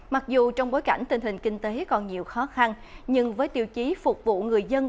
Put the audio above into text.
mặc dù trong bối cảnh tình hình kinh tế còn nhiều khó khăn nhưng với tiêu chí phục vụ người dân